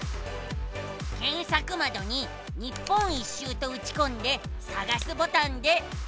けんさくまどに日本一周とうちこんでさがすボタンでスクるのさ。